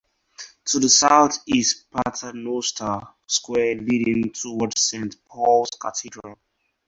To the south is Paternoster Square leading towards Saint Paul's Cathedral.